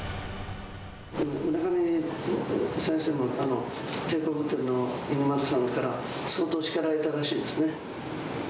村上先生も、帝国ホテルの犬丸さんから、相当叱られたらしいですね。